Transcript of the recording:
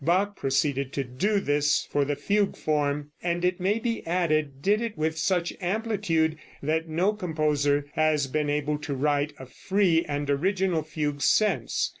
Bach proceeded to do this for the fugue form, and, it may be added, did it with such amplitude that no composer has been able to write a free and original fugue since.